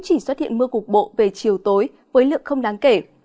nhưng không xuất hiện mưa cục bộ về chiều tối với lượng không đáng kể